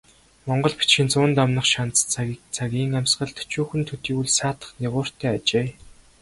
Монгол бичгийн зуун дамнах шандас цаг цагийн амьсгалд өчүүхэн төдий үл саатах нигууртай ажээ.